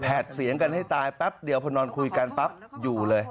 เสียงกันให้ตายแป๊บเดียวพอนอนคุยกันปั๊บอยู่เลย